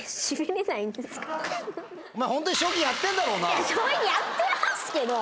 将棋やってますけど！